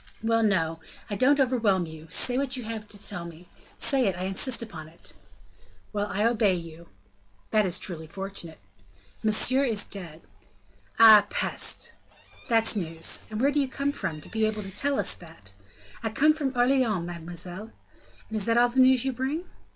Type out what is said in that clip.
"Well, no, I don't overwhelm you; say what you have to tell me say it, I insist upon it." "Well, I obey you." "That is truly fortunate." "Monsieur is dead." "Ah, peste! that's news! And where do you come from, to be able to tell us that?" "I come from Orleans, mademoiselle." "And is that all the news you bring?"